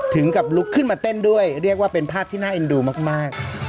ถึงกับลุกขึ้นมาเต้นด้วยเรียกว่าเป็นภาพที่น่าเอ็นดูมาก